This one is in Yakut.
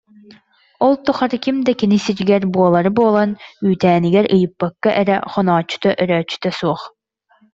Ол тухары ким да кини сиригэр, буолаары буолан үүтээнигэр ыйыппакка эрэ хонооччута-өрөөччүтэ суох